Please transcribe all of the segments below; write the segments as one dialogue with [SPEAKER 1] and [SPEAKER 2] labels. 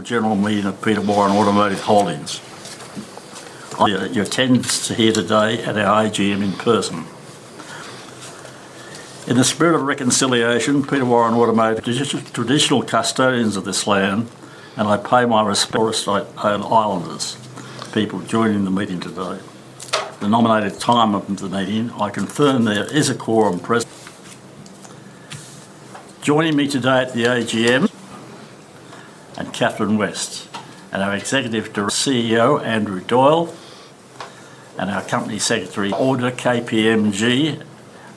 [SPEAKER 1] General meeting of Peter Warren Automotive Holdings. Your attendance here today at our AGM in person in the spirit of reconciliation, Peter Warren would have made traditional custodians of this land and I pay my response Islanders people joining the meeting today. The nominated time of the meeting, I confirm there is a quorum present. Joining me today at the AGM are Catherine West and our Executive Director CEO Andrew Doyle and our Company Secretary. Auditor KPMG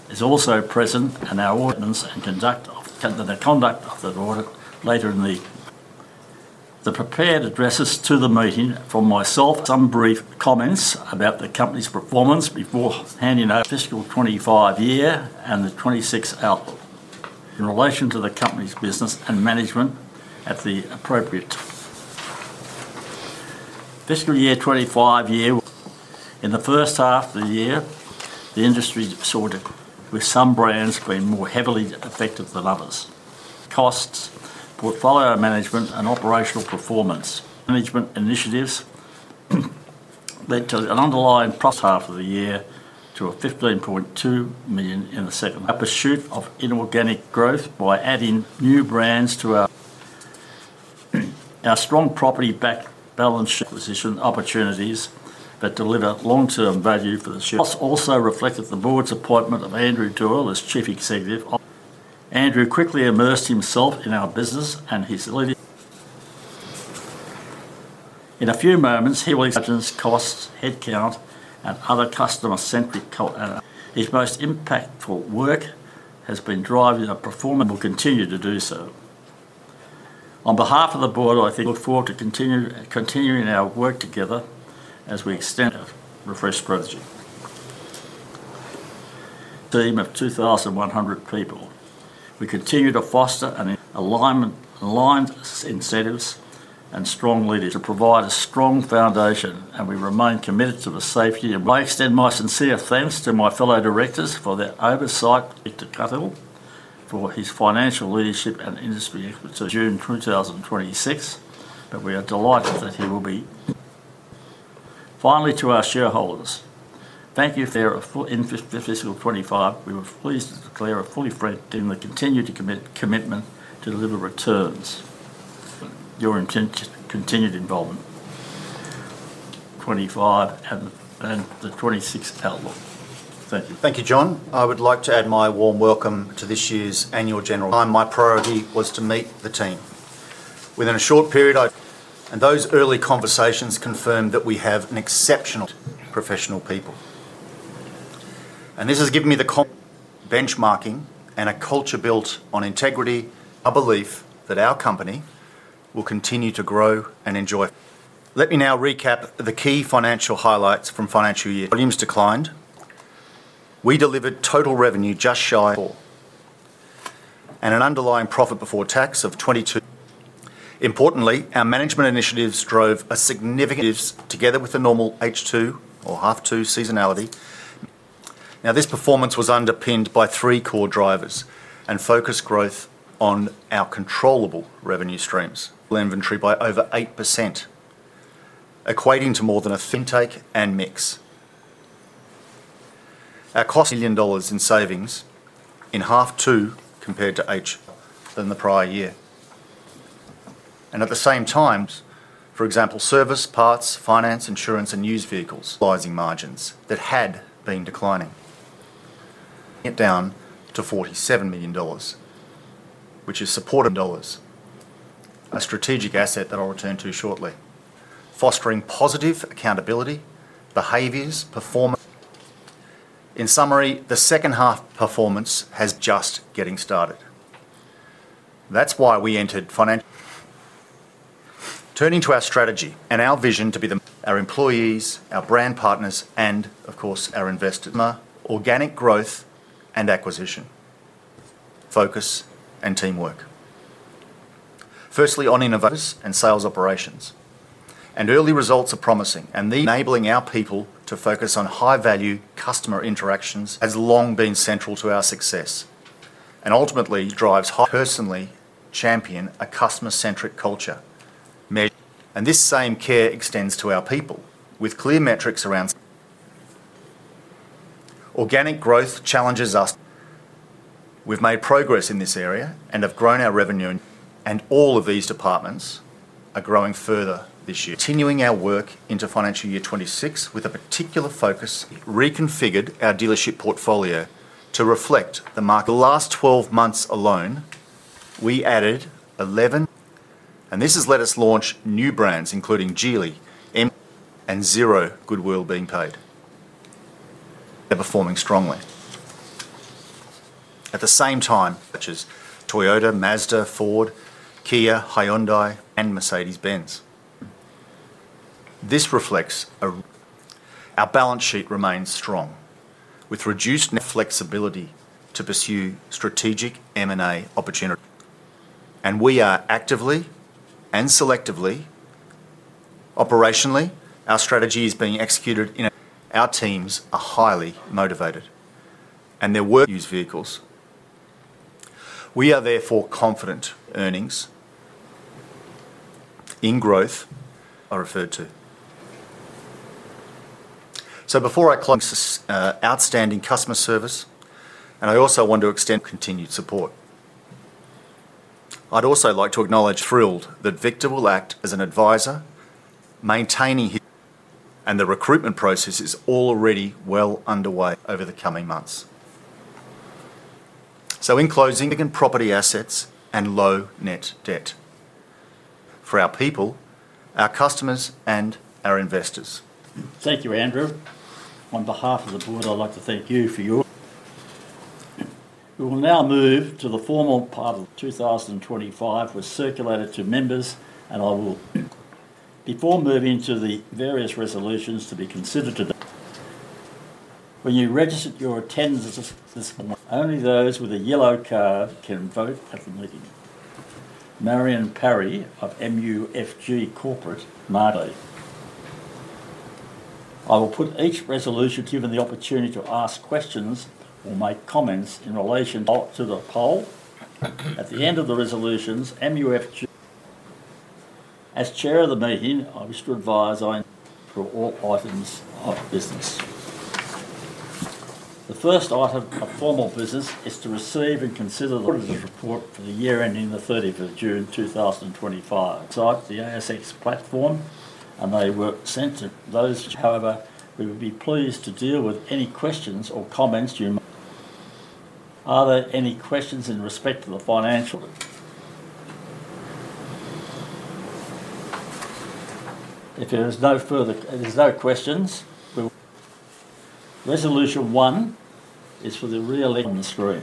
[SPEAKER 1] is also present and our ordinance and the conduct of that audit later in the prepared addresses to the meeting from myself, some brief comments about the company's performance beforehand. You know, fiscal 2025 year and the 2026 outlook in relation to the company's business and management at the appropriate fiscal year 2025 year. In the first half of the year, the industry sorted with some brands being more heavily affected than others. Costs, portfolio management, and operational performance management initiatives led to an underlying plus half of the year to a $15.2 million in a second, a pursuit of inorganic growth by adding new brands to our strong property backed balance sheet. Acquisition opportunities that deliver long term value for the shareholders also reflected the Board's appointment of Andrew Doyle as Chief Executive. Andrew quickly immersed himself in our business and his in a few moments he will examine costs, headcount, and other customer centric cult analysis. His most impactful work has been driving our performance and will continue to do so. On behalf of the Board, I look forward to continuing our work together as we extend our refreshed strategy team of 2,100 people. We continue to foster an alignment, aligned incentives, and strong leaders to provide a strong foundation and we remain committed to the safety of I extend my sincere thanks to my fellow directors for their oversight Ictukato for his financial leadership and industry June 2026, but we are delighted that he will be finally to our shareholders. Thank you. In fiscal 2025, we were pleased to declare a fully Fred in the continued commitment to deliver returns your intention continued involvement 2025 and the 2026 outlook.
[SPEAKER 2] Thank you, thank you, John. I would like to add my warm welcome to this year's Annual General Meeting. My priority was to meet the team within a short period, and those early conversations confirmed that we have exceptional professional people, and this has given me the common benchmarking and a culture built on integrity, our belief that our company will continue to grow and enjoy. Let me now recap the key financial highlights from financial year. Volumes declined, we delivered total revenue just shy of $4 million and an underlying profit before tax of $22 million. Importantly, our management initiatives drove a significant result together with the normal H2, or half two, seasonality. This performance was underpinned by three core drivers and focused growth on our controllable revenue streams. Inventory by over 8%, equating to more than a fintech and mix, our cost million dollars in savings in half 2 compared to H2 than the prior year, and at the same time, for example, service, parts, finance, insurance, and used vehicles margins that had been declining, it down to $47 million, which is supported dollars, a strategic asset that I'll return to shortly, fostering positive accountability behaviors performance. In summary, the second half performance has just getting started, that's why we entered financial turning to our strategy and our vision to be our employees, our brand partners, and of course our investors. Organic growth and acquisition focus and teamwork, firstly on innovators and sales operations, and early results are promising, and these enabling our people to focus on high value customer interactions has long been central to our success and ultimately drives personally champion a customer centric culture, and this same care extends to our people with clear metrics around organic growth challenges us. We've made progress in this area and have grown our revenue, and all of these departments are growing further this year, continuing our work into financial year 2026 with a particular focus. We reconfigured our dealership portfolio to reflect the market. The last 12 months alone, we added 11, and this has let us launch new brands including Geely and zero goodwill being paid. They're performing strongly at the same time, such as Toyota, Mazda, Ford, Kia, Hyundai, and Mercedes-Benz. This reflects a strong balance sheet with reduced net debt, flexibility to pursue strategic M&A opportunities, and we are actively and selectively operationally. Our strategy is being executed in a way our teams are highly motivated and their work. Used vehicles, we are therefore confident earnings in growth I referred to. So before I close, outstanding customer service, and I also want to extend continued support. I'd also like to acknowledge thrilled that Victor will act as an advisor, maintaining his, and the recruitment process is already well underway over the coming months. In closing, and property assets and low net debt for our people, our customers, and our investors.
[SPEAKER 1] Thank you, Andrew. On behalf of the board, I'd like to thank you for your support. We will now move to the formal part of the meeting. The report for the year ending 30 June 2025 was circulated to members, and I will, before moving to the various resolutions to be considered today, remind you that when you registered your attendance this morning, only those with a yellow card can vote at the meeting. Marion Parry of MUFG Corporate is present. I will put each resolution and give the opportunity to ask questions or make comments in relation to the poll at the end of the resolutions. As Chair of the meeting, I wish to advise for all items of business. The first item of formal business is to receive and consider the report for the year ending 30 June 2025. The report was released on the ASX platform and sent to those registered; however, we would be pleased to deal with any questions or comments you may have. Are there any questions in respect to the report? If there is no further, there's no questions. Resolution 1 is for the report, link on the screen.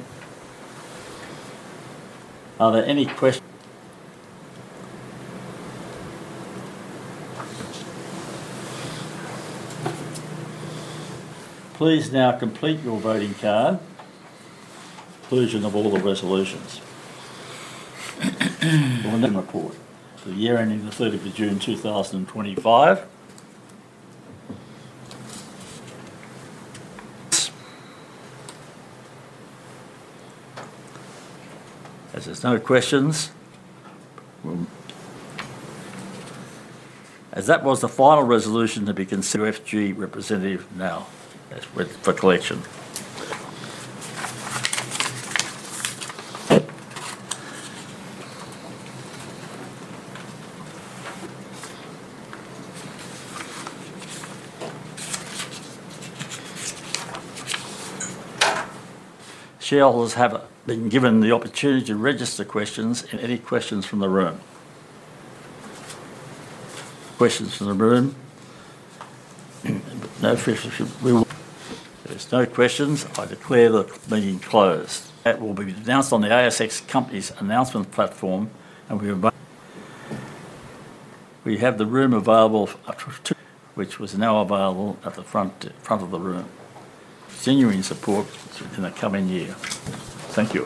[SPEAKER 1] Are there any questions? Please now complete your voting card at the conclusion of all the resolutions. The report for the year ending 30 June 2025, as there's no questions, as that was the final resolution to be considered. MUFG representative is now available for collection. Shareholders have been given the opportunity to register questions. Any questions from the room? Questions from the room, no, there's no questions. I declare the meeting closed. That will be announced on the ASX Company's announcement platform, and we have the room available, which is now available at the front of the room. Thank you for your continuing support in the coming year. Thank you.